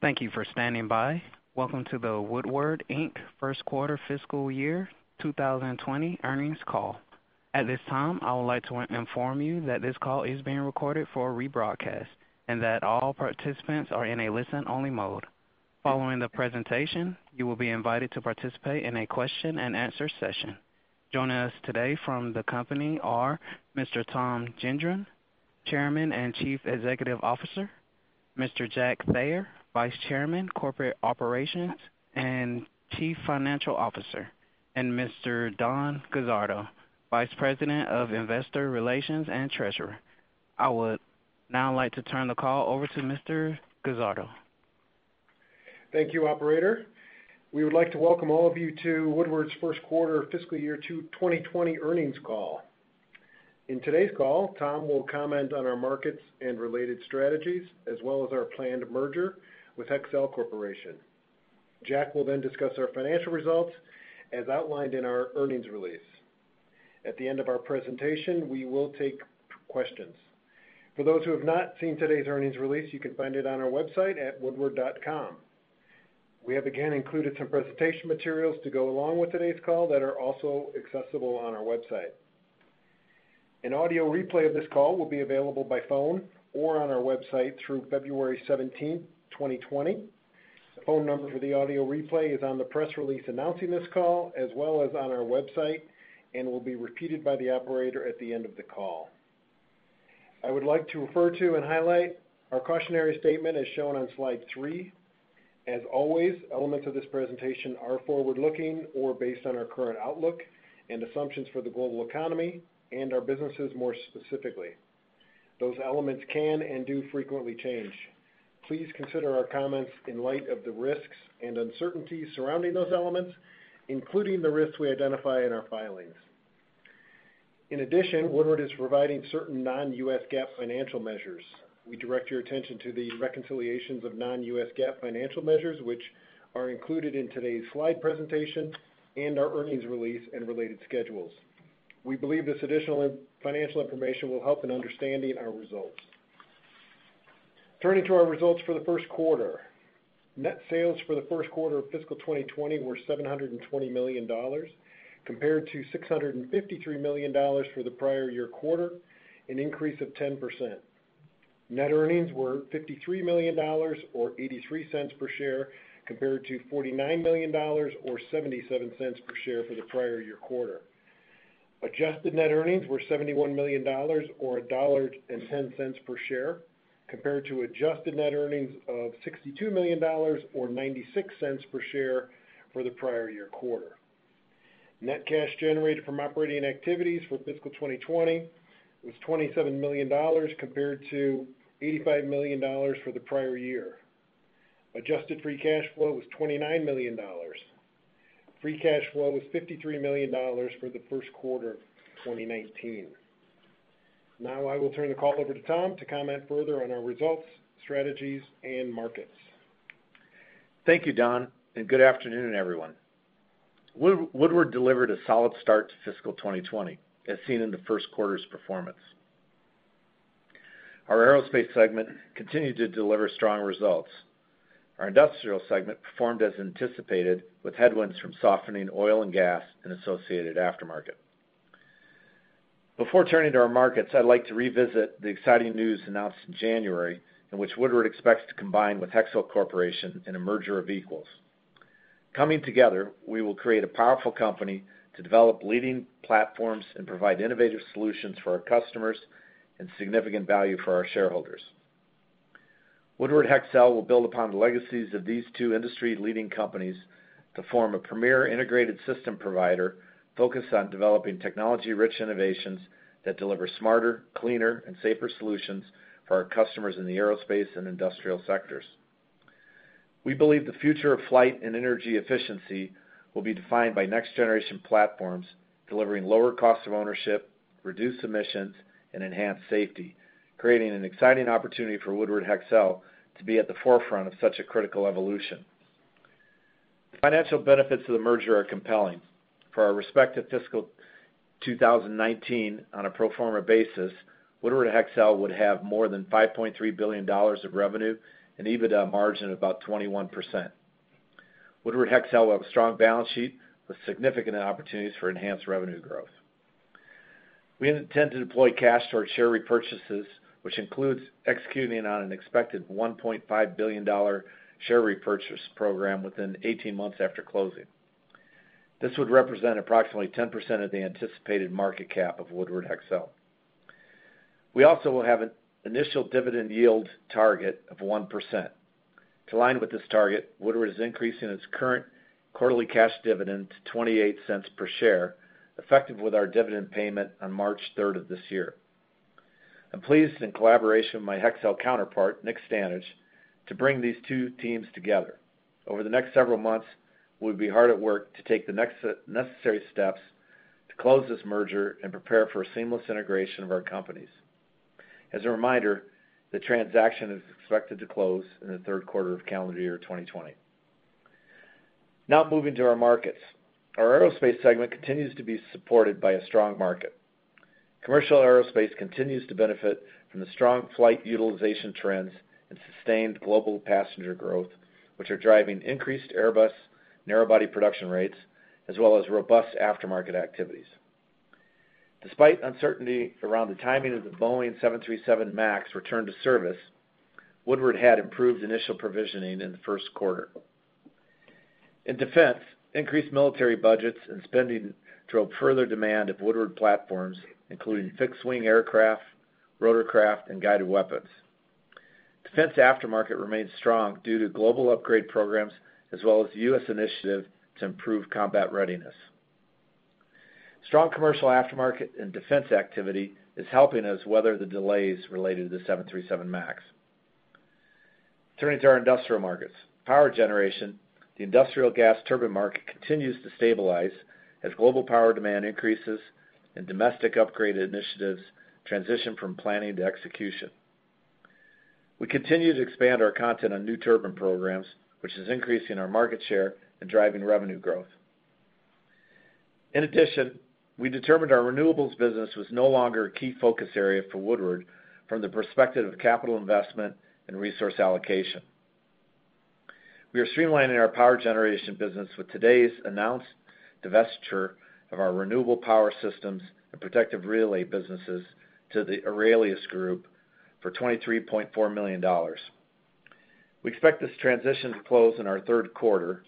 Thank you for standing by. Welcome to the Woodward, Inc. First Quarter Fiscal Year 2020 earnings call. At this time, I would like to inform you that this call is being recorded for rebroadcast, and that all participants are in a listen-only mode. Following the presentation, you will be invited to participate in a question and answer session. Joining us today from the company are Mr. Tom Gendron, Chairman and Chief Executive Officer, Mr. Jack Thayer, Vice Chairman, Corporate Operations and Chief Financial Officer, and Mr. Don Guzzardo, Vice President of Investor Relations and Treasurer. I would now like to turn the call over to Mr. Guzzardo. Thank you, operator. We would like to welcome all of you to Woodward's first-quarter fiscal year 2020 earnings call. In today's call, Tom will comment on our markets and related strategies, as well as our planned merger with Hexcel Corporation. Jack will discuss our financial results as outlined in our earnings release. At the end of our presentation, we will take questions. For those who have not seen today's earnings release, you can find it on our website at woodward.com. We have again included some presentation materials to go along with today's call that are also accessible on our website. An audio replay of this call will be available by phone or on our website through February 17, 2020. The phone number for the audio replay is on the press release announcing this call, as well as on our website, and will be repeated by the operator at the end of the call. I would like to refer to and highlight our cautionary statement as shown on slide three. As always, elements of this presentation are forward-looking or based on our current outlook and assumptions for the global economy and our businesses more specifically. Those elements can and do frequently change. Please consider our comments in light of the risks and uncertainties surrounding those elements, including the risks we identify in our filings. In addition, Woodward is providing certain non-U.S. GAAP financial measures. We direct your attention to the reconciliations of non-U.S. GAAP financial measures, which are included in today's slide presentation and our earnings release and related schedules. We believe this additional financial information will help in understanding our results. Turning to our results for the first quarter. Net sales for the first quarter of fiscal 2020 were $720 million compared to $653 million for the prior year quarter, an increase of 10%. Net earnings were $53 million, or $0.83 per share, compared to $49 million or $0.77 per share for the prior year quarter. Adjusted net earnings were $71 million or $1.10 per share compared to adjusted net earnings of $62 million or $0.96 per share for the prior year quarter. Net cash generated from operating activities for fiscal 2020 was $27 million compared to $85 million for the prior year. Adjusted free cash flow was $29 million. Free cash flow was $53 million for the first quarter of 2019. Now I will turn the call over to Tom to comment further on our results, strategies, and markets. Thank you, Don, and good afternoon, everyone. Woodward delivered a solid start to fiscal 2020, as seen in the first quarter's performance. Our aerospace segment continued to deliver strong results. Our industrial segment performed as anticipated, with headwinds from softening oil and gas and associated aftermarket. Before turning to our markets, I'd like to revisit the exciting news announced in January in which Woodward expects to combine with Hexcel Corporation in a merger of equals. Coming together, we will create a powerful company to develop leading platforms and provide innovative solutions for our customers and significant value for our shareholders. Woodward Hexcel will build upon the legacies of these two industry-leading companies to form a premier integrated system provider focused on developing technology-rich innovations that deliver smarter, cleaner, and safer solutions for our customers in the aerospace and industrial sectors. We believe the future of flight and energy efficiency will be defined by next-generation platforms delivering lower cost of ownership, reduced emissions, and enhanced safety, creating an exciting opportunity for Woodward Hexcel to be at the forefront of such a critical evolution. The financial benefits of the merger are compelling. For our respective fiscal 2019 on a pro forma basis, Woodward Hexcel would have more than $5.3 billion of revenue and EBITDA margin of about 21%. Woodward Hexcel will have a strong balance sheet with significant opportunities for enhanced revenue growth. We intend to deploy cash towards share repurchases, which includes executing on an expected $1.5 billion share repurchase program within 18 months after closing. This would represent approximately 10% of the anticipated market cap of Woodward Hexcel. We also will have an initial dividend yield target of 1%. To align with this target, Woodward is increasing its current quarterly cash dividend to $0.28 per share, effective with our dividend payment on March 3rd of this year. I'm pleased, in collaboration with my Hexcel counterpart, Nick Stanage, to bring these two teams together. Over the next several months, we'll be hard at work to take the necessary steps to close this merger and prepare for a seamless integration of our companies. As a reminder, the transaction is expected to close in the third quarter of calendar year 2020. Moving to our markets. Our aerospace segment continues to be supported by a strong market. Commercial aerospace continues to benefit from the strong flight utilization trends and sustained global passenger growth, which are driving increased Airbus narrow-body production rates as well as robust aftermarket activities. Despite uncertainty around the timing of the Boeing 737 MAX return to service, Woodward had improved initial provisioning in the first quarter. In defense, increased military budgets and spending drove further demand of Woodward platforms, including fixed-wing aircraft, rotorcraft, and guided weapons. Defense aftermarket remains strong due to global upgrade programs, as well as the U.S. initiative to improve combat readiness. Strong commercial aftermarket and defense activity is helping us weather the delays related to the 737 MAX. Turning to our industrial markets. Power generation, the industrial gas turbine market continues to stabilize as global power demand increases and domestic upgrade initiatives transition from planning to execution. We continue to expand our content on new turbine programs, which is increasing our market share and driving revenue growth. In addition, we determined our renewables business was no longer a key focus area for Woodward from the perspective of capital investment and resource allocation. We are streamlining our power generation business with today's announced divestiture of our Renewable Power Systems and protection relays businesses to the AURELIUS Group for $23.4 million. We expect this transition to close in our third quarter.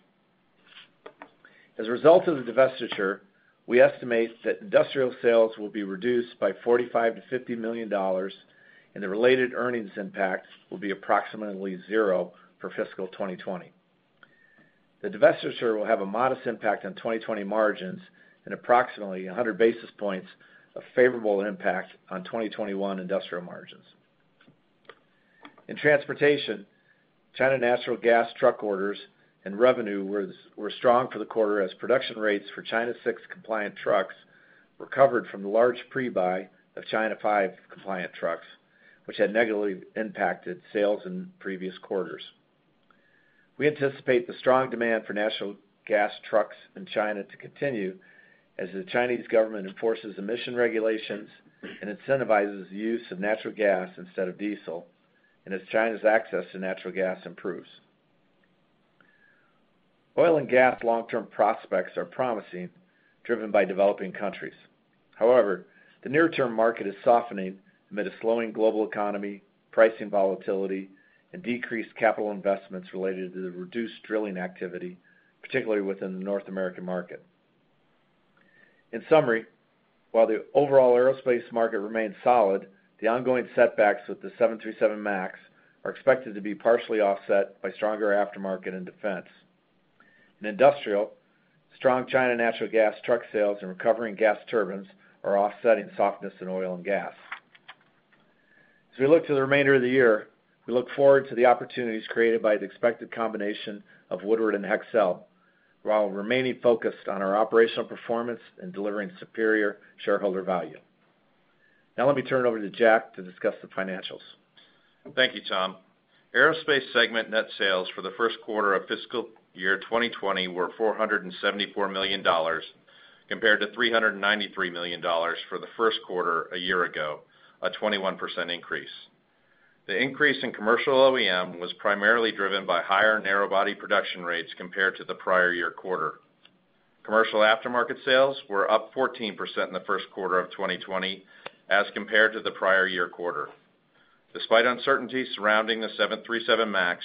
As a result of the divestiture, we estimate that industrial sales will be reduced by $45 million-$50 million, and the related earnings impact will be approximately zero for fiscal 2020. The divestiture will have a modest impact on 2020 margins and approximately 100 basis points of favorable impact on 2021 industrial margins. In transportation, China natural gas truck orders and revenue were strong for the quarter as production rates for China 6 compliant trucks recovered from the large pre-buy of China 5 compliant trucks, which had negatively impacted sales in previous quarters. We anticipate the strong demand for natural gas trucks in China to continue as the Chinese government enforces emission regulations and incentivizes use of natural gas instead of diesel, and as China's access to natural gas improves. Oil and gas long-term prospects are promising, driven by developing countries. However, the near-term market is softening amid a slowing global economy, pricing volatility, and decreased capital investments related to the reduced drilling activity, particularly within the North American market. In summary, while the overall aerospace market remains solid, the ongoing setbacks with the 737 MAX are expected to be partially offset by stronger aftermarket and defense. In industrial, strong China natural gas truck sales and recovering gas turbines are offsetting softness in oil and gas. As we look to the remainder of the year, we look forward to the opportunities created by the expected combination of Woodward and Hexcel, while remaining focused on our operational performance and delivering superior shareholder value. Now let me turn it over to Jack to discuss the financials. Thank you, Tom. Aerospace segment net sales for the first quarter of fiscal year 2020 were $474 million, compared to $393 million for the first quarter a year ago, a 21% increase. The increase in commercial OEM was primarily driven by higher narrow-body production rates compared to the prior year quarter. Commercial aftermarket sales were up 14% in the first quarter of 2020 as compared to the prior year quarter. Despite uncertainty surrounding the 737 MAX,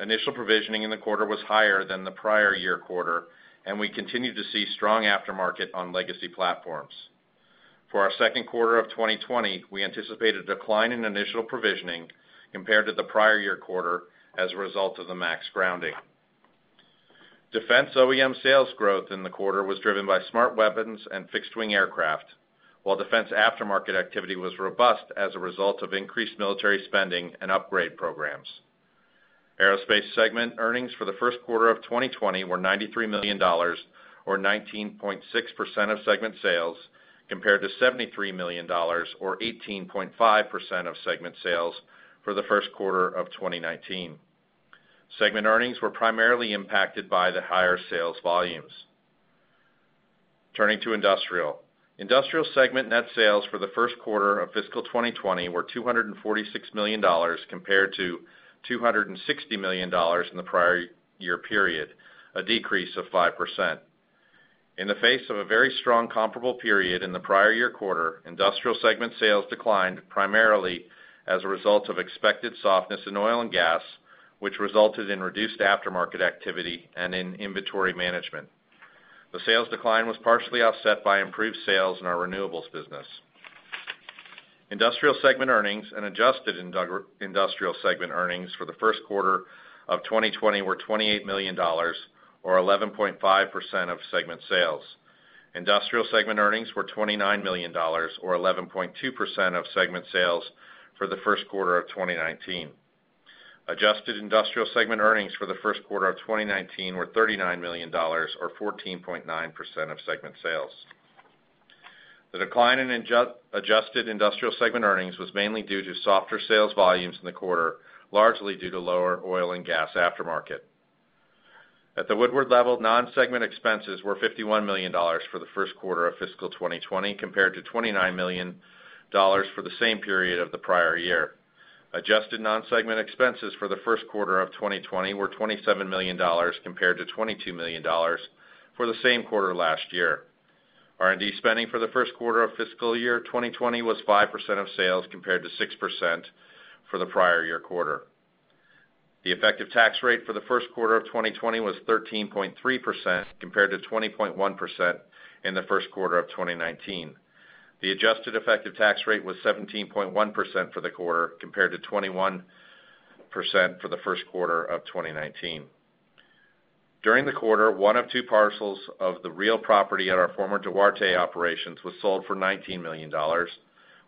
initial provisioning in the quarter was higher than the prior year quarter, and we continue to see strong aftermarket on legacy platforms. For our second quarter of 2020, we anticipate a decline in initial provisioning compared to the prior year quarter as a result of the MAX grounding. Defense OEM sales growth in the quarter was driven by smart weapons and fixed-wing aircraft, while defense aftermarket activity was robust as a result of increased military spending and upgrade programs. [Aerospace segment] earnings for the first quarter of 2020 were $93 million, or 19.6% of segment sales, compared to $73 million, or 18.5% of segment sales, for the first quarter of 2019. Segment earnings were primarily impacted by the higher sales volumes. Turning to industrial. Industrial segment net sales for the first quarter of fiscal 2020 were $246 million compared to $260 million in the prior year period, a decrease of 5%. In the face of a very strong comparable period in the prior year quarter, Industrial segment sales declined primarily as a result of expected softness in oil and gas, which resulted in reduced aftermarket activity and in inventory management. The sales decline was partially offset by improved sales in our renewables business. Industrial segment earnings and adjusted industrial segment earnings for the first quarter of 2020 were $28 million, or 11.5% of segment sales. Industrial segment earnings were $29 million, or 11.2% of segment sales, for the first quarter of 2019. Adjusted industrial segment earnings for the first quarter of 2019 were $39 million or 14.9% of segment sales. The decline in adjusted industrial segment earnings was mainly due to softer sales volumes in the quarter, largely due to lower oil and gas aftermarket. At the Woodward level, non-segment expenses were $51 million for the first quarter of fiscal 2020, compared to $29 million for the same period of the prior year. Adjusted non-segment expenses for the first quarter of 2020 were $27 million, compared to $22 million for the same quarter last year. R&D spending for the first quarter of fiscal year 2020 was 5% of sales, compared to 6% for the prior year quarter. The effective tax rate for the first quarter of 2020 was 13.3%, compared to 20.1% in the first quarter of 2019. The adjusted effective tax rate was 17.1% for the quarter, compared to 21% for the first quarter of 2019. During the quarter, one of two parcels of the real property at our former Duarte operations was sold for $19 million,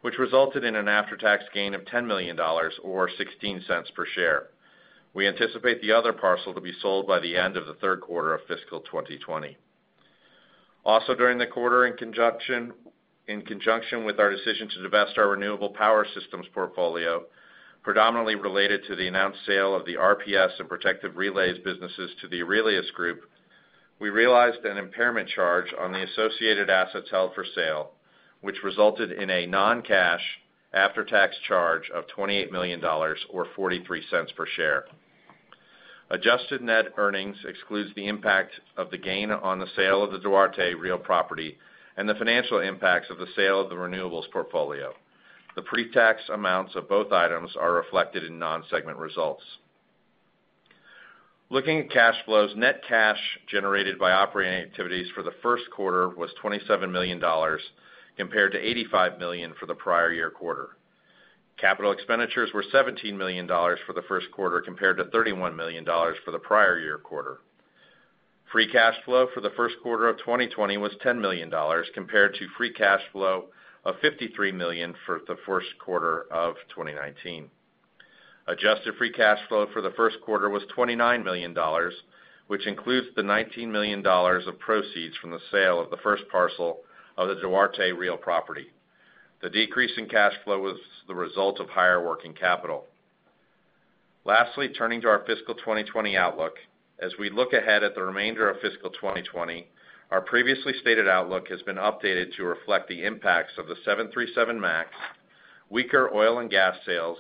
which resulted in an after-tax gain of $10 million or $0.16 per share. We anticipate the other parcel to be sold by the end of the third quarter of fiscal 2020. Also during the quarter, in conjunction with our decision to divest our renewable power systems portfolio, predominantly related to the announced sale of the RPS and protective relays businesses to the AURELIUS Group, we realized an impairment charge on the associated assets held for sale, which resulted in a non-cash after-tax charge of $28 million or $0.43 per share. Adjusted net earnings excludes the impact of the gain on the sale of the Duarte real property and the financial impacts of the sale of the renewables portfolio. The pre-tax amounts of both items are reflected in non-segment results. Looking at cash flows, net cash generated by operating activities for the first quarter was $27 million compared to $85 million for the prior year quarter. Capital expenditures were $17 million for the first quarter compared to $31 million for the prior year quarter. Free cash flow for the first quarter of 2020 was $10 million compared to free cash flow of $53 million for the first quarter of 2019. Adjusted free cash flow for the first quarter was $29 million, which includes the $19 million of proceeds from the sale of the first parcel of the Duarte real property. The decrease in cash flow was the result of higher working capital. Lastly, turning to our fiscal 2020 outlook. As we look ahead at the remainder of fiscal 2020, our previously stated outlook has been updated to reflect the impacts of the 737 MAX, weaker oil and gas sales,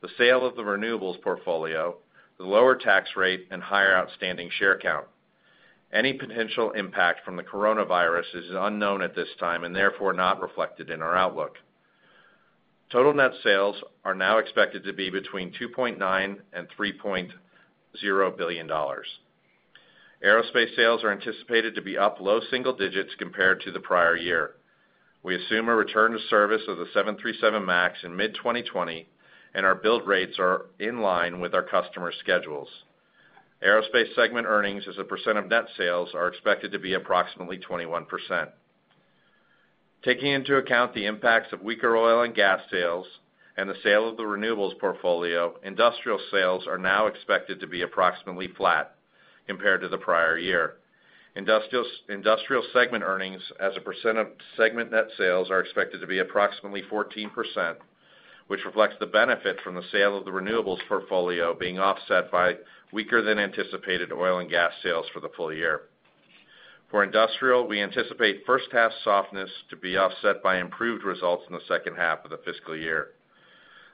the sale of the renewables portfolio, the lower tax rate, and higher outstanding share count. Any potential impact from the coronavirus is unknown at this time and therefore not reflected in our outlook. Total net sales are now expected to be between $2.9 billion and $3.0 billion. Aerospace sales are anticipated to be up low single digits compared to the prior year. We assume a return to service of the 737 MAX in mid-2020, and our build rates are in line with our customer schedules. Aerospace segment earnings as a percent of net sales are expected to be approximately 21%. Taking into account the impacts of weaker oil and gas sales and the sale of the renewables portfolio, industrial sales are now expected to be approximately flat compared to the prior year. Industrial segment earnings as a percent of segment net sales are expected to be approximately 14%, which reflects the benefit from the sale of the renewables portfolio being offset by weaker than anticipated oil and gas sales for the full year. For industrial, we anticipate first-half softness to be offset by improved results in the second half of the fiscal year.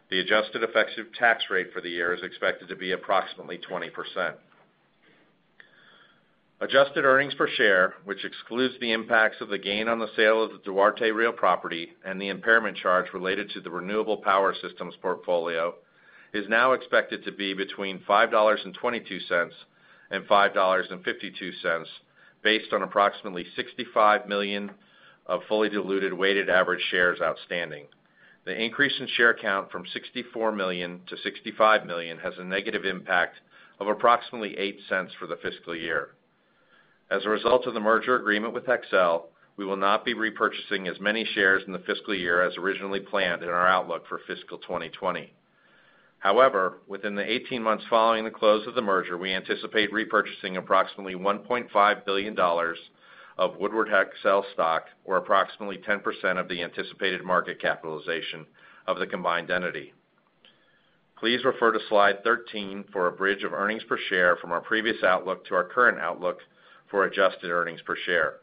The adjusted effective tax rate for the year is expected to be approximately 20%. Adjusted earnings per share, which excludes the impacts of the gain on the sale of the Duarte real property and the impairment charge related to the Renewable Power Systems portfolio, is now expected to be between $5.22 and $5.52, based on approximately 65 million of fully diluted weighted average shares outstanding. The increase in share count from 64 million shares to 65 million shares has a negative impact of approximately $0.08 for the fiscal year. As a result of the merger agreement with Hexcel, we will not be repurchasing as many shares in the fiscal year as originally planned in our outlook for fiscal 2020. Within the 18 months following the close of the merger, we anticipate repurchasing approximately $1.5 billion of Woodward Hexcel stock or approximately 10% of the anticipated market capitalization of the combined entity. Please refer to slide 13 for a bridge of earnings per share from our previous outlook to our current outlook for adjusted earnings per share.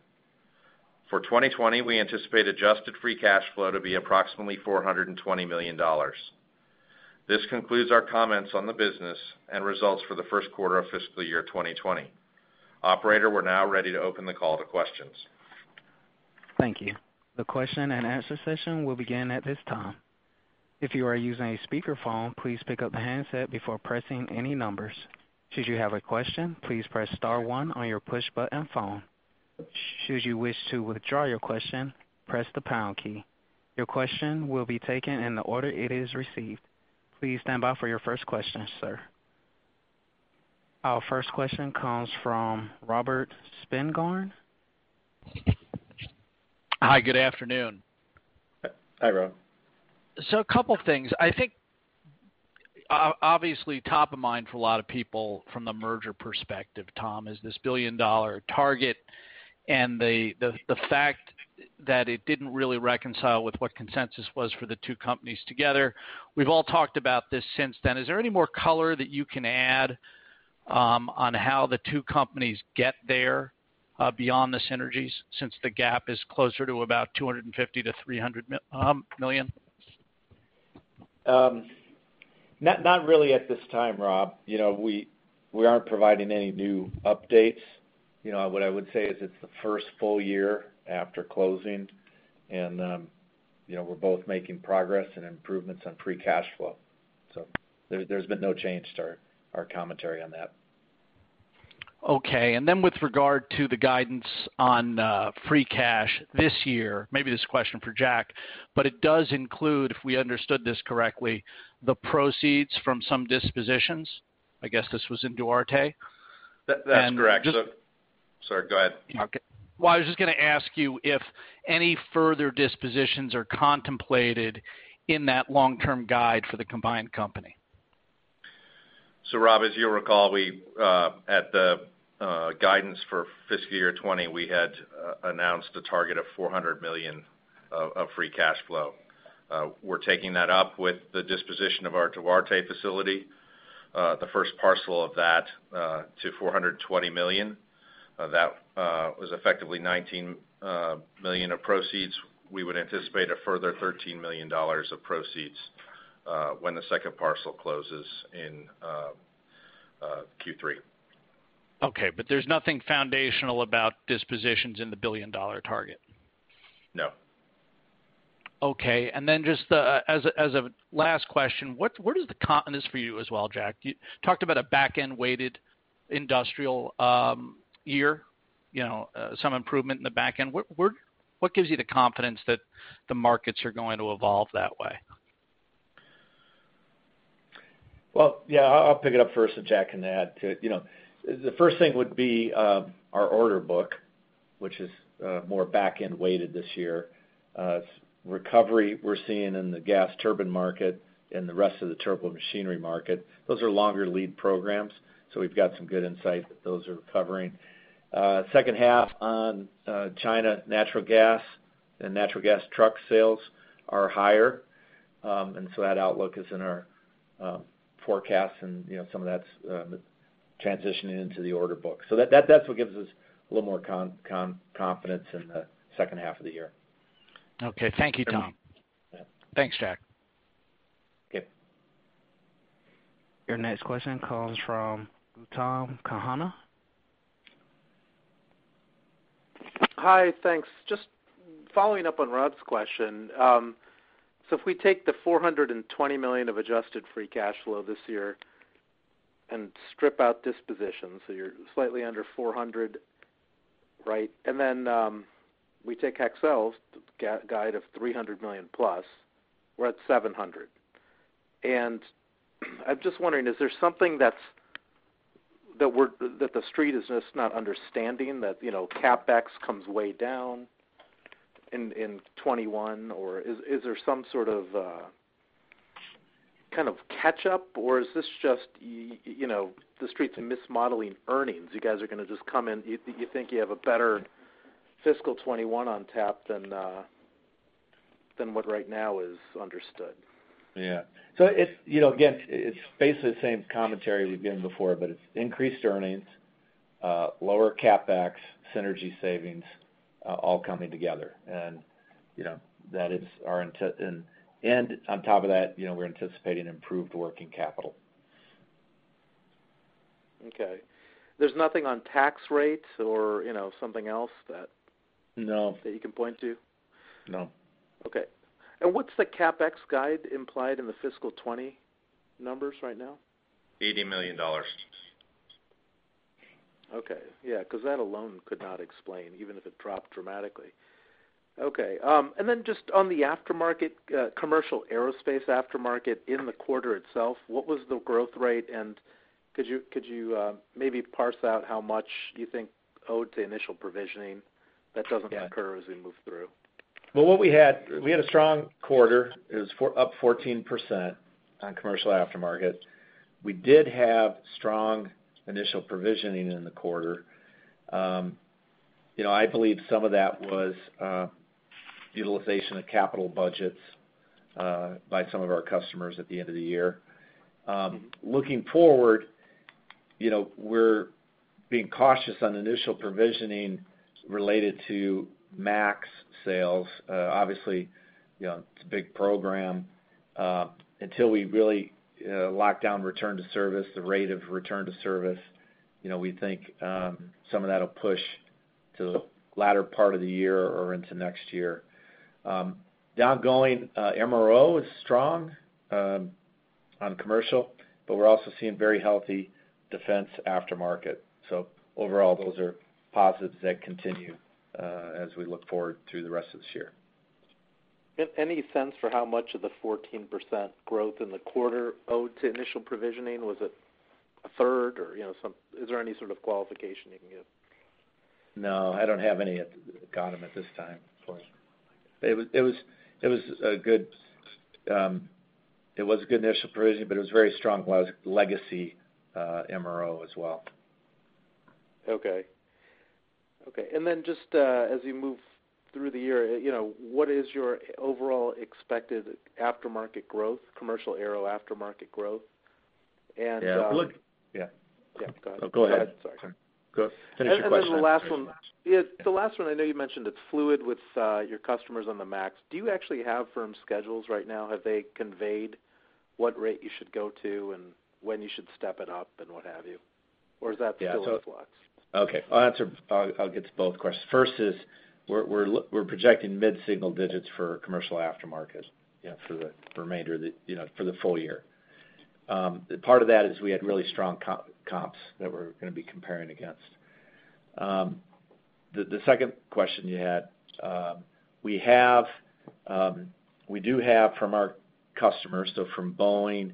For 2020, we anticipate adjusted free cash flow to be approximately $420 million. This concludes our comments on the business and results for the first quarter of fiscal year 2020. Operator, we're now ready to open the call to questions. Thank you. The question and answer session will begin at this time. If you are using a speakerphone, please pick up the handset before pressing any numbers. Should you have a question, please press star one on your push button phone. Should you wish to withdraw your question, press the pound key. Your question will be taken in the order it is received. Please stand by for your first question, sir. Our first question comes from Robert Spingarn. Hi, good afternoon. Hi, Rob. A couple things, obviously top of mind for a lot of people from the merger perspective, Tom, is this billion-dollar target and the fact that it didn't really reconcile with what consensus was for the two companies together. We've all talked about this since then. Is there any more color that you can add on how the two companies get there, beyond the synergies, since the gap is closer to about $250 million-$300 million? Not really at this time, Rob. We aren't providing any new updates. What I would say is it's the first full year after closing, and we're both making progress and improvements on free cash flow. There's been no change to our commentary on that. Okay. With regard to the guidance on free cash this year, maybe this is a question for Jack, but it does include, if we understood this correctly, the proceeds from some dispositions. I guess this was in Duarte. That's correct. Sorry, go ahead. Okay. Well, I was just going to ask you if any further dispositions are contemplated in that long-term guide for the combined company. Rob, as you'll recall, at the guidance for FY 2020, we had announced a target of $400 million of free cash flow. We're taking that up with the disposition of our Duarte facility, the first parcel of that to $420 million. That was effectively $19 million of proceeds. We would anticipate a further $13 million of proceeds when the second parcel closes in Q3. Okay, there's nothing foundational about dispositions in the billion-dollar target? No. Okay. Just as a last question, and this is for you as well, Jack. You talked about a back-end-weighted industrial year, some improvement in the back end. What gives you the confidence that the markets are going to evolve that way? Well, yeah, I'll pick it up first, and Jack can add to it. The first thing would be our order book, which is more back-end weighted this year. Recovery we're seeing in the gas turbine market and the rest of the turbine machinery market. Those are longer lead programs, so we've got some good insight that those are recovering. Second half on China natural gas and natural gas truck sales are higher, and so that outlook is in our forecast and some of that's transitioning into the order book. That's what gives us a little more confidence in the second half of the year. Okay. Thank you, Tom. Thanks, Jack. Okay. Your next question comes from Gautam Khanna. Hi, thanks. Just following up on Rob's question. If we take the $420 million of adjusted free cash flow this year and strip out dispositions, you're slightly under $400 million, right? Then we take Hexcel's guide of $300 million+, we're at $700 million. I'm just wondering, is there something that the street is just not understanding, that CapEx comes way down in 2021, or is there some sort of catch up? Is this just the Street's mismodeling earnings? You guys are going to just come in, you think you have a better fiscal 2021 on tap than what right now is understood. Yeah. Again, it's basically the same commentary we've given before, but it's increased earnings, lower CapEx, synergy savings, all coming together. On top of that, we're anticipating improved working capital. Okay. There's nothing on tax rates or something else that. No That you can point to? No. Okay. What's the CapEx guide implied in the fiscal 2020 numbers right now? $80 million. Yeah, because that alone could not explain, even if it dropped dramatically. Okay. Just on the commercial aerospace aftermarket in the quarter itself, what was the growth rate? Could you maybe parse out how much you think owed to initial provisioning that doesn't occur as we move through? Well, we had a strong quarter. It was up 14% on commercial aftermarket. We did have strong initial provisioning in the quarter. I believe some of that was utilization of capital budgets by some of our customers at the end of the year. Looking forward, we're being cautious on initial provisioning related to MAX sales. Obviously, it's a big program. Until we really lock down return to service, the rate of return to service, we think some of that'll push to the latter part of the year or into next year. Downgoing MRO is strong on commercial, we're also seeing very healthy defense aftermarket. Overall, those are positives that continue as we look forward through the rest of this year. Any sense for how much of the 14% growth in the quarter owed to initial provisioning? Was it a third, or is there any sort of qualification you can give? No, I don't have any Gautam at this time for you. It was a good initial provision, but it was very strong legacy MRO as well. Okay. Then just as you move through the year, what is your overall expected aftermarket growth, commercial aero aftermarket growth? Yeah, look. Yeah. Yeah, go ahead. No, go ahead. Go ahead. Sorry. Finish your question. The last one, I know you mentioned it's fluid with your customers on the MAX. Do you actually have firm schedules right now? Have they conveyed what rate you should go to and when you should step it up and what have you? Is that still in flux? Okay. I'll answer, I'll get to both questions. First is we're projecting mid-single digits for commercial aftermarket for the full year. Part of that is we had really strong comps that we're going to be comparing against. The second question you had, we do have from our customers, so from Boeing,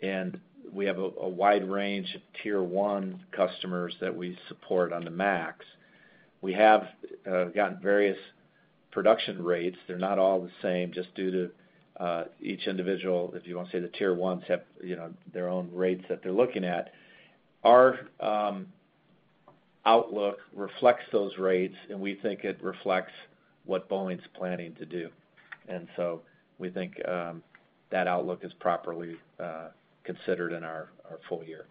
and we have a wide range of tier 1 customers that we support on the 737 MAX. We have gotten various production rates. They're not all the same, just due to each individual, if you want to say, the tier 1s have their own rates that they're looking at. Our outlook reflects those rates, and we think it reflects what Boeing's planning to do, and so we think that outlook is properly considered in our full year.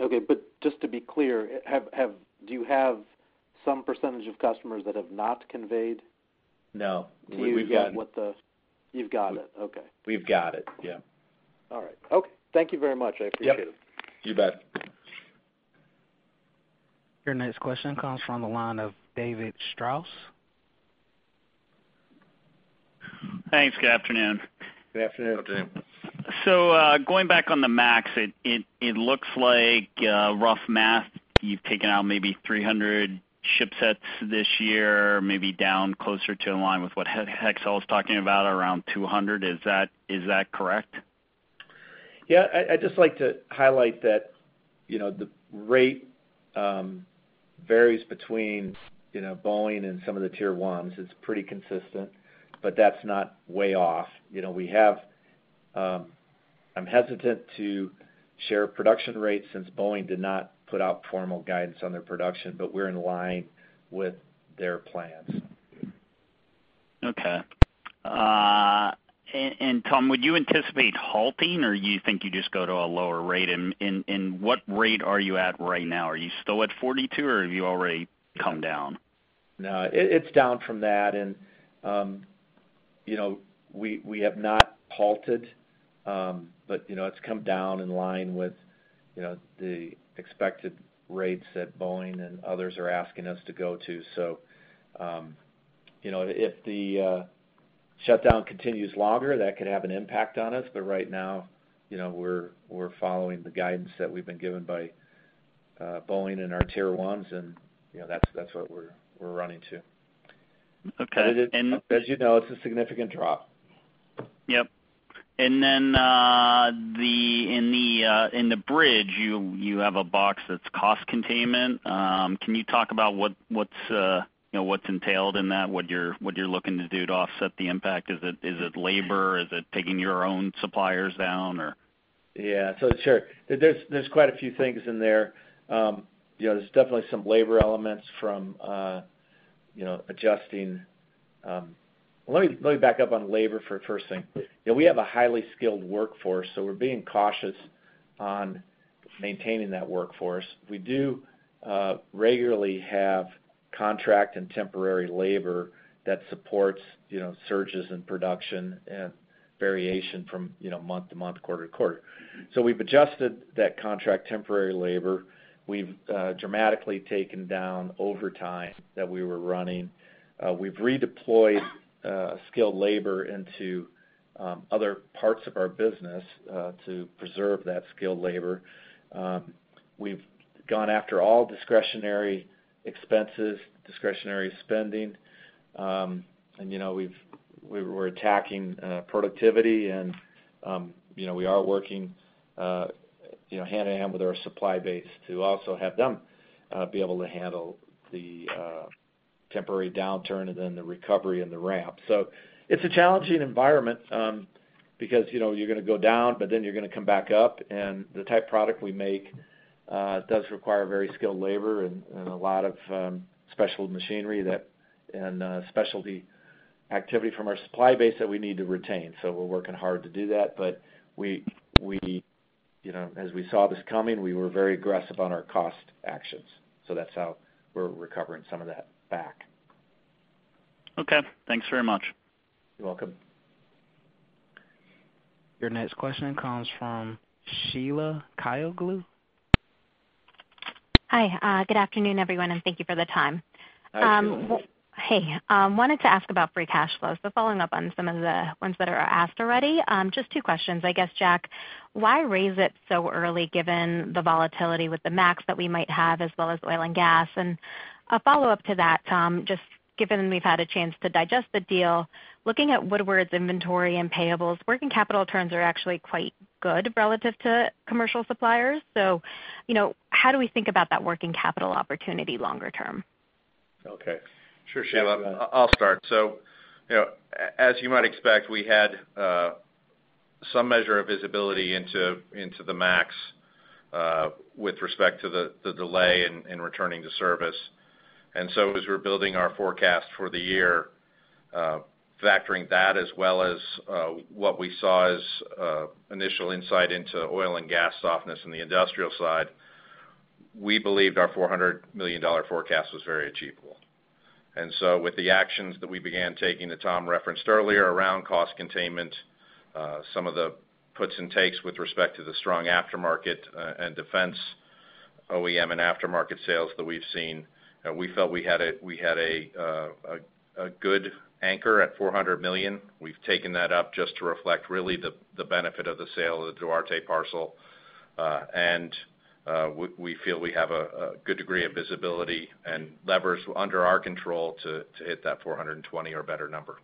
Okay, just to be clear, do you have some percentage of customers that have not conveyed? No. To you yet. We've gotten. You've got it. Okay. We've got it, yeah. All right. Okay. Thank you very much. I appreciate it. Yep. You bet. Your next question comes from the line of David Strauss. Thanks. Good afternoon. Good afternoon. Good afternoon. Going back on the Max, it looks like rough math, you've taken out maybe 300 ship sets this year, maybe down closer to in line with what Hexcel is talking about around 200 ship sets. Is that correct? Yeah, I'd just like to highlight that the rate varies between Boeing and some of the tier 1s. It's pretty consistent, but that's not way off. I'm hesitant to share production rates since Boeing did not put out formal guidance on their production, but we're in line with their plans. Okay. Tom, would you anticipate halting, or you think you just go to a lower rate? What rate are you at right now? Are you still at 42%, or have you already come down? It's down from that, and we have not halted. It's come down in line with the expected rates that Boeing and others are asking us to go to. If the shutdown continues longer, that could have an impact on us. Right now, we're following the guidance that we've been given by Boeing and our tier 1s, and that's what we're running to. Okay. As you know, it's a significant drop. Yep. Then, in the bridge, you have a box that's cost containment. Can you talk about what's entailed in that, what you're looking to do to offset the impact? Is it labor? Is it taking your own suppliers down, or? Yeah. Sure. There's quite a few things in there. There's definitely some labor elements. Let me back up on labor for first thing. We have a highly skilled workforce, so we're being cautious on maintaining that workforce. We do regularly have contract and temporary labor that supports surges in production and variation from month to month, quarter to quarter. We've adjusted that contract temporary labor. We've dramatically taken down overtime that we were running. We've redeployed skilled labor into other parts of our business, to preserve that skilled labor. We've gone after all discretionary expenses, discretionary spending, and we're attacking productivity, and we are working hand-in-hand with our supply base to also have them be able to handle the temporary downturn and then the recovery and the ramp. It's a challenging environment, because you're going to go down, but then you're going to come back up, and the type of product we make does require very skilled labor and a lot of special machinery and specialty activity from our supply base that we need to retain. We're working hard to do that. As we saw this coming, we were very aggressive on our cost actions, so that's how we're recovering some of that back. Okay. Thanks very much. You're welcome. Your next question comes from Sheila Kahyaoglu. Hi. Good afternoon, everyone, and thank you for the time. Hi, Sheila. Hey. Following up on some of the ones that are asked already, just two questions. I guess, Jack, why raise it so early given the volatility with the MAX that we might have, as well as oil and gas? A follow-up to that, Tom, just given we've had a chance to digest the deal, looking at Woodward's inventory and payables, working capital terms are actually quite good relative to commercial suppliers. How do we think about that working capital opportunity longer term? Okay. Sure, Sheila. I'll start. As you might expect, we had some measure of visibility into the MAX, with respect to the delay in returning to service. As we're building our forecast for the year, factoring that as well as what we saw as initial insight into oil and gas softness in the industrial side, we believed our $400 million forecast was very achievable. With the actions that we began taking, that Tom referenced earlier, around cost containment, some of the puts and takes with respect to the strong aftermarket and defense OEM and aftermarket sales that we've seen, we felt we had a good anchor at $400 million. We've taken that up just to reflect really the benefit of the sale of the Duarte parcel. We feel we have a good degree of visibility and leverage under our control to hit that $420 million, or better number.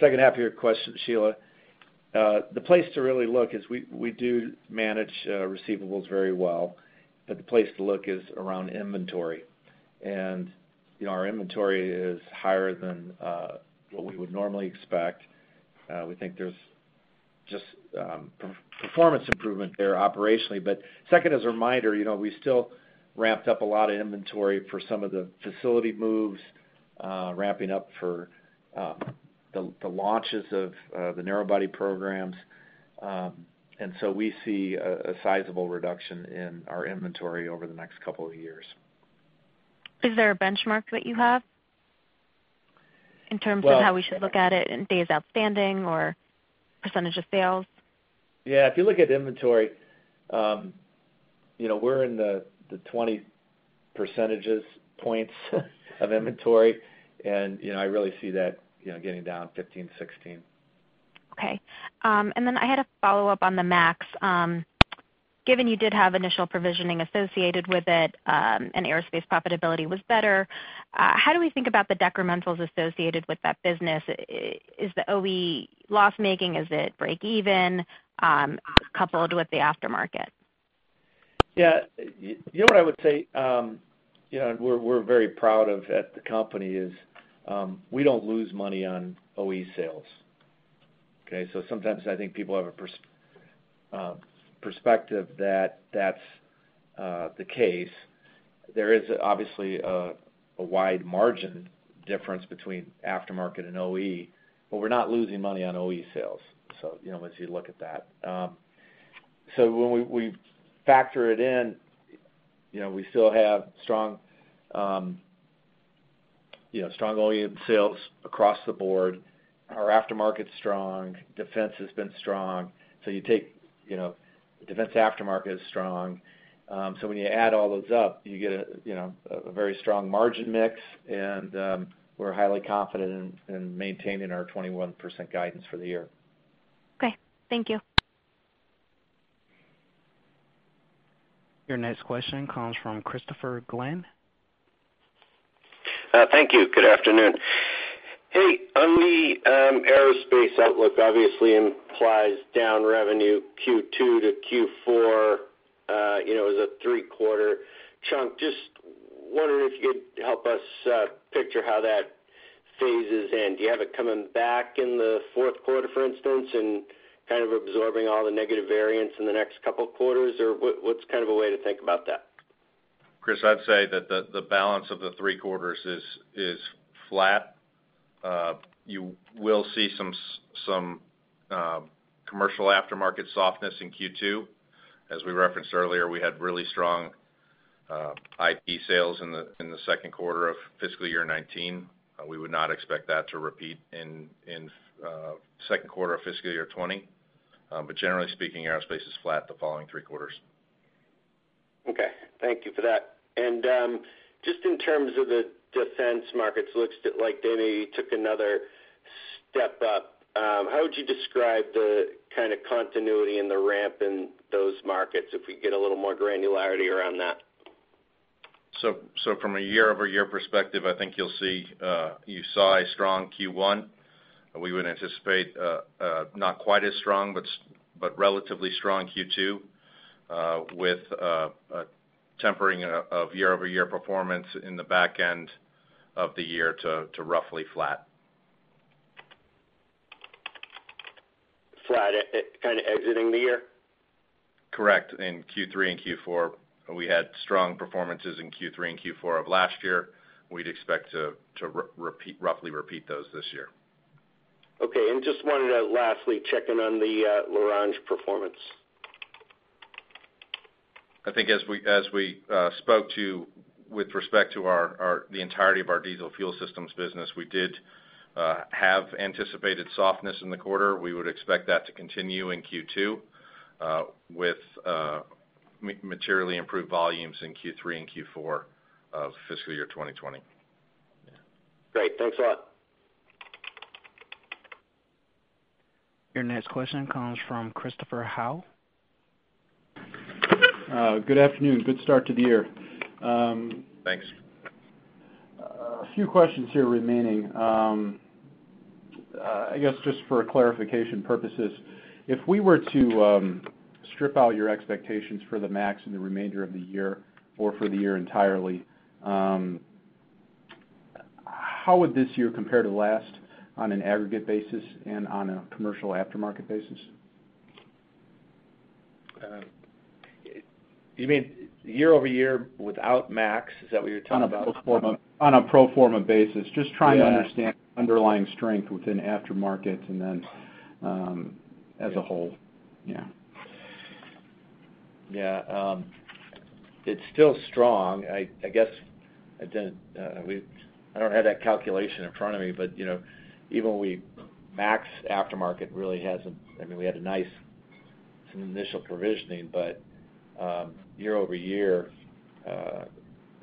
Second-half of your question, Sheila. The place to really look is, we do manage receivables very well, but the place to look is around inventory. Our inventory is higher than what we would normally expect. We think there's just performance improvement there operationally. Second, as a reminder, we still ramped up a lot of inventory for some of the facility moves, ramping up for the launches of the narrow-body programs. We see a sizable reduction in our inventory over the next couple of years. Is there a benchmark that you have in terms of how we should look at it in days outstanding or percentage of sales? Yeah. If you look at inventory, we're in the 20 percentage points of inventory. I really see that getting down 15 percentage points-16 percentage points. Okay. I had a follow-up on the MAX. Given you did have initial provisioning associated with it, and Aerospace profitability was better, how do we think about the decrementals associated with that business? Is the OE loss-making? Is it break even, coupled with the aftermarket? You know what I would say we're very proud of at the company is, we don't lose money on OE sales. Okay. Sometimes I think people have a perspective that that's the case. There is obviously a wide margin difference between aftermarket and OE, but we're not losing money on OE sales, as you look at that. When we factor it in, we still have strong volume sales across the board. Our aftermarket's strong. Defense has been strong. The defense aftermarket is strong. When you add all those up, you get a very strong margin mix and, we're highly confident in maintaining our 21% guidance for the year. Okay. Thank you. Your next question comes from Christopher Glynn. Thank you. Good afternoon. Hey, on the aerospace outlook obviously implies down revenue Q2 to Q4, as a three-quarter chunk. Just wondering if you'd help us picture how that phases in. Do you have it coming back in the fourth quarter, for instance, and kind of absorbing all the negative variance in the next couple quarters? What's a way to think about that? Chris, I'd say that the balance of the three quarters is flat. You will see some commercial aftermarket softness in Q2. As we referenced earlier, we had really strong IP sales in the second quarter of fiscal year 2019. We would not expect that to repeat in second quarter of fiscal year 2020. Generally speaking, aerospace is flat the following three quarters. Okay. Thank you for that. Just in terms of the defense markets, looks like they maybe took another step up. How would you describe the kind of continuity and the ramp in those markets, if we could get a little more granularity around that? From a year-over-year perspective, I think you saw a strong Q1. We would anticipate, not quite as strong, but relatively strong Q2, with a tempering of year-over-year performance in the back end of the year to roughly flat. Flat at kind of exiting the year? Correct. In Q3 and Q4. We had strong performances in Q3 and Q4 of last year. We'd expect to roughly repeat those this year. Okay. Just wanted to lastly check in on the L'Orange performance. I think as we spoke to with respect to the entirety of our diesel fuel systems business, we did have anticipated softness in the quarter. We would expect that to continue in Q2, with materially improved volumes in Q3 and Q4 of fiscal year 2020. Yeah. Great. Thanks a lot. Your next question comes from Christopher Howe. Good afternoon. Good start to the year. Thanks. A few questions here remaining. I guess just for clarification purposes, if we were to strip out your expectations for the MAX in the remainder of the year or for the year entirely, how would this year compare to last on an aggregate basis and on a commercial aftermarket basis? You mean year-over-year without Max? Is that what you're talking about? On a pro forma basis. Yeah. Understand underlying strength within aftermarket and then as a whole. Yeah. Yeah. It's still strong. I don't have that calculation in front of me. Even MAX aftermarket really hasn't. We had a nice initial provisioning. Year-over-year, the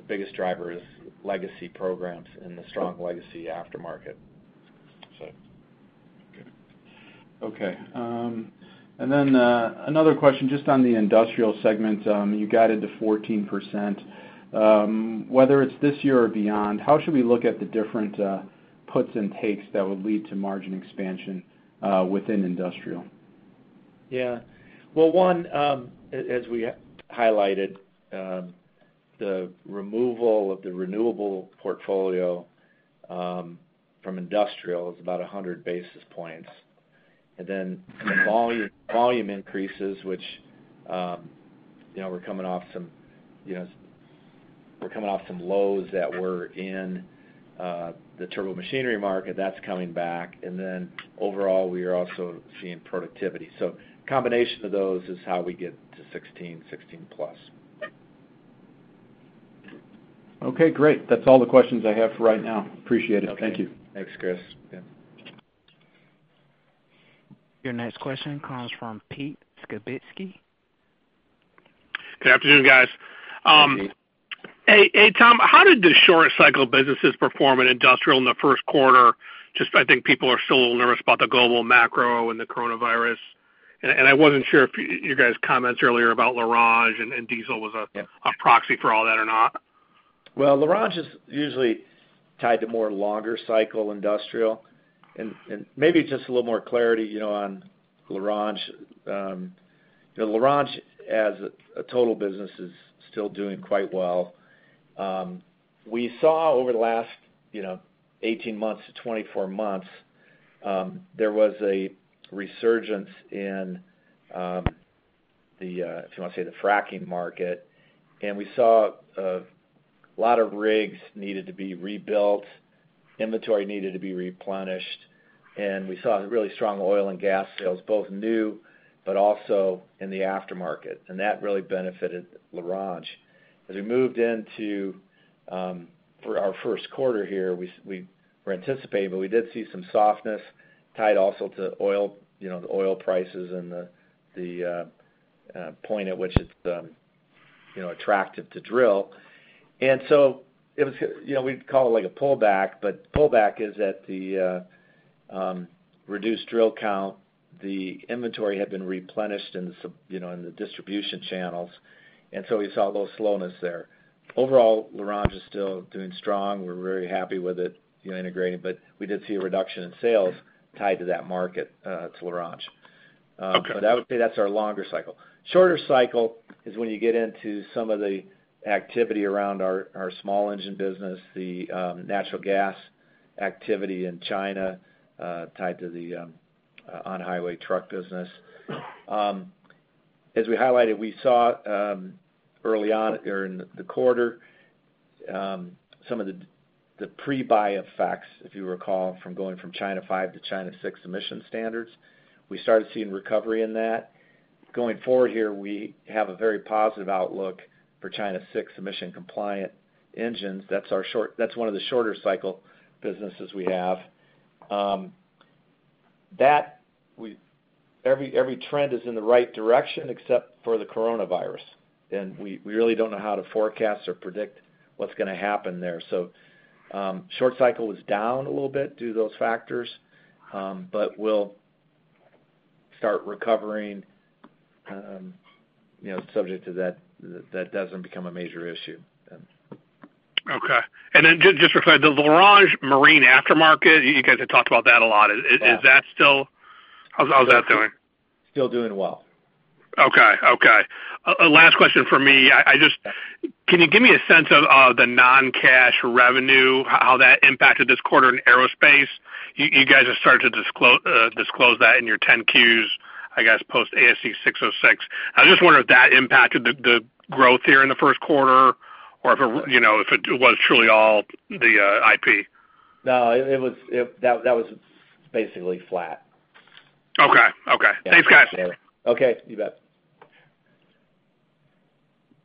biggest driver is legacy programs and the strong legacy aftermarket. Okay. Another question just on the Industrial segment. You guided to 14%. Whether it's this year or beyond, how should we look at the different puts and takes that would lead to margin expansion within Industrial? Yeah. Well, one, as we highlighted, the removal of the renewable portfolio from industrial is about 100 basis points. Some volume increases, which we're coming off some lows that were in the turbo machinery market, that's coming back. Overall, we are also seeing productivity. Combination of those is how we get to 16%+. Okay, great. That's all the questions I have for right now. Appreciate it. Thank you. Okay. Thanks, Chris. Yeah. Your next question comes from [Pete Skibitski]. Good afternoon, guys. Good afternoon. Hey, Tom, how did the shorter cycle businesses perform in industrial in the first quarter? Just I think people are still a little nervous about the global macro and the coronavirus. I wasn't sure if you guys commented earlier about L'Orange and diesel was a proxy for all that or not. Well, L'Orange is usually tied to more longer cycle industrial, and maybe just a little more clarity on L'Orange. L'Orange, as a total business, is still doing quite well. We saw over the last 18-24 months, there was a resurgence in the, if you want to say, the fracking market, and we saw a lot of rigs needed to be rebuilt, inventory needed to be replenished, and we saw really strong oil and gas sales, both new but also in the aftermarket, and that really benefited L'Orange. As we moved into our first quarter here, we were anticipating, but we did see some softness tied also to the oil prices and the point at which it's attractive to drill. We'd call it like a pullback, but pullback is at the reduced drill count. The inventory had been replenished in the distribution channels. We saw a little slowness there. Overall, L'Orange is still doing strong. We are very happy with it integrating. We did see a reduction in sales tied to that market to L'Orange. Okay. I would say that's our longer cycle. Shorter cycle is when you get into some of the activity around our small engine business, the natural gas activity in China tied to the on-highway truck business. As we highlighted, we saw early on during the quarter some of the pre-buy effects, if you recall, from going from China 5 to China 6 emission standards. We started seeing recovery in that. Going forward here, we have a very positive outlook for China 6 emission compliant engines. That's one of the shorter cycle businesses we have. Every trend is in the right direction except for the coronavirus, and we really don't know how to forecast or predict what's going to happen there. Short cycle is down a little bit due to those factors, but we'll start recovering subject to that doesn't become a major issue then. Okay. Just for clarity, the L'Orange marine aftermarket, you guys have talked about that a lot. Yeah. How's that doing? Still doing well. Last question for me. Can you give me a sense of the non-cash revenue, how that impacted this quarter in aerospace? You guys have started to disclose that in your 10-Qs, I guess post ASC 606. I just wonder if that impacted the growth here in the first quarter, or if it was truly all the IP. No, that was basically flat. Okay. Thanks, guys. Okay, you bet.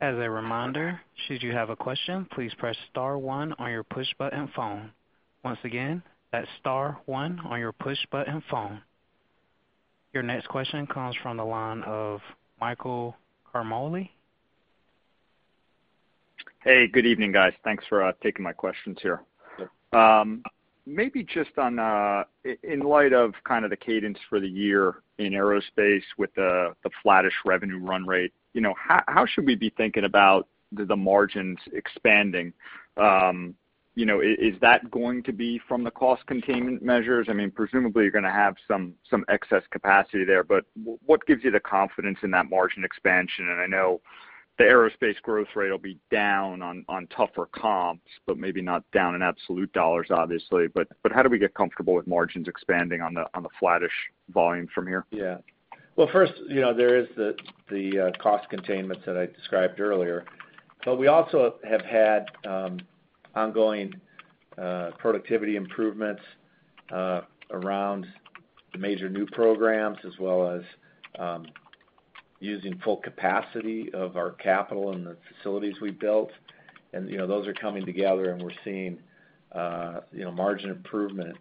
As a reminder, should you have a question, please press star one on your push-button phone. Once again, that's star one on your push-button phone. Your next question comes from the line of Michael Ciarmoli. Hey, good evening, guys. Thanks for taking my questions here. Sure. Maybe just in light of the cadence for the year in aerospace with the flattish revenue run rate, how should we be thinking about the margins expanding? Is that going to be from the cost containment measures? Presumably you're going to have some excess capacity there, but what gives you the confidence in that margin expansion? I know the aerospace growth rate will be down on tougher comps, but maybe not down in absolute dollars, obviously. How do we get comfortable with margins expanding on the flattish volume from here? Yeah. Well, first, there is the cost containments that I described earlier, but we also have had ongoing productivity improvements around the major new programs, as well as using full capacity of our capital and the facilities we built. Those are coming together and we're seeing margin improvement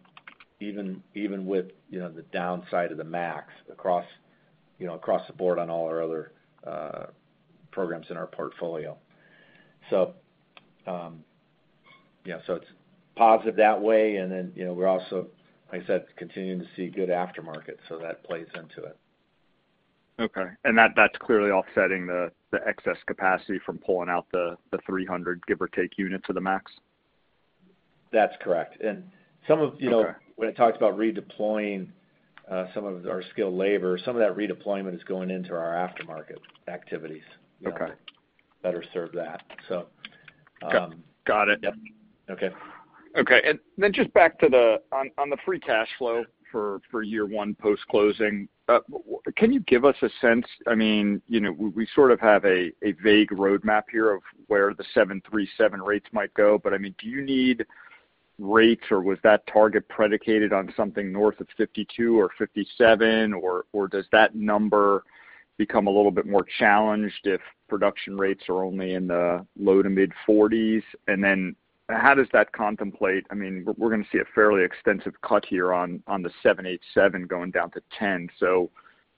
even with the downside of the MAX across the board on all our other programs in our portfolio. It's positive that way, and then we're also, like I said, continuing to see good aftermarket, so that plays into it. Okay. That's clearly offsetting the excess capacity from pulling out the 300, give or take, units of the MAX? That's correct. Okay. When I talked about redeploying some of our skilled labor, some of that redeployment is going into our aftermarket activities. Okay. That'll better serve that. Got it. Yep. Okay. Okay. Just back on the free cash flow for year one post-closing, can you give us a sense, we sort of have a vague roadmap here of where the 737 rates might go, but do you need rates or was that target predicated on something north of 52% or 57%, or does that number become a little bit more challenged if production rates are only in the low to mid-40%s? How does that contemplate, we're going to see a fairly extensive cut here on the 787 going down to 10%.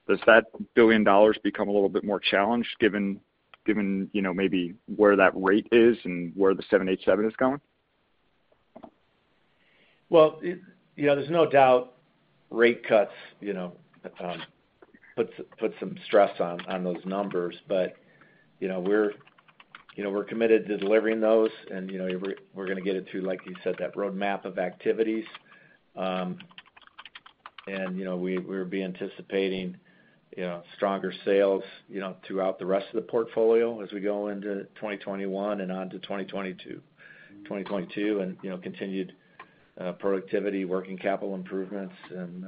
Does that $1 billion become a little bit more challenged given maybe where that rate is and where the 787 is going? Well, there's no doubt rate cuts put some stress on those numbers. We're committed to delivering those and we're going to get it through, like you said, that roadmap of activities. We'll be anticipating stronger sales throughout the rest of the portfolio as we go into 2021 and onto 2022, and continued productivity, working capital improvements and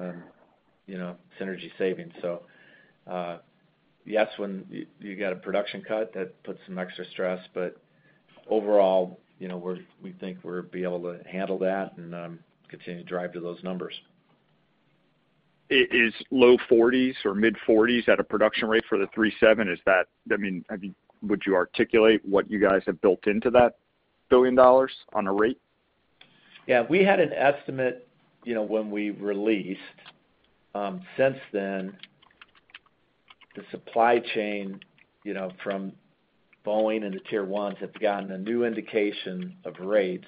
synergy savings. Yes, when you get a production cut, that puts some extra stress, but overall, we think we'll be able to handle that and continue to drive to those numbers. Is low 40%s or mid-40%s at a production rate for the 37? Would you articulate what you guys have built into that billion dollars on a rate? We had an estimate when we released. Since then, the supply chain from Boeing into tier 1s have gotten a new indication of rates.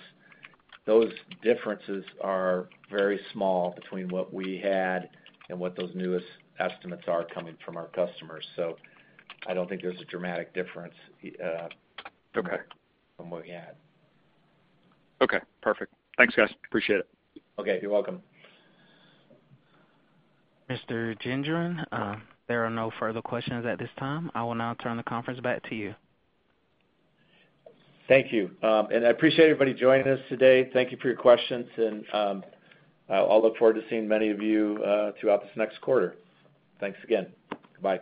Those differences are very small between what we had and what those newest estimates are coming from our customers. I don't think there's a dramatic difference. Okay. From what we had. Okay, perfect. Thanks, guys. Appreciate it. Okay, you're welcome. Mr. Gendron, there are no further questions at this time. I will now turn the conference back to you. Thank you. I appreciate everybody joining us today. Thank you for your questions, and I'll look forward to seeing many of you throughout this next quarter. Thanks again. Bye.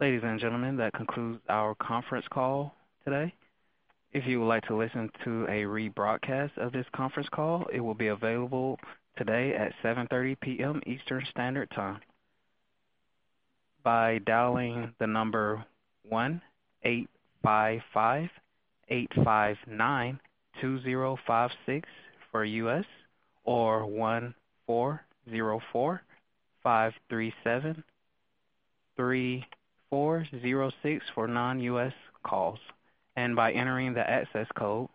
Ladies and gentlemen, that concludes our conference call today. If you would like to listen to a rebroadcast of this conference call, it will be available today at 7:30 P.M. Eastern Standard Time by dialing the number 1-855-859-2056 for U.S., or 1-404-537-3406 for non-U.S. calls, and by entering the access code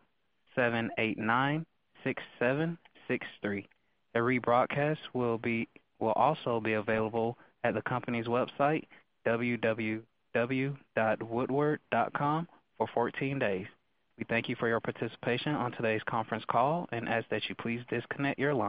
7896763. A rebroadcast will also be available at the company's website, www.woodward.com, for 14 days. We thank you for your participation on today's conference call and ask that you please disconnect your line.